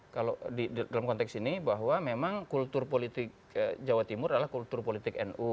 kalau dalam konteks ini bahwa memang kultur politik jawa timur adalah kultur politik nu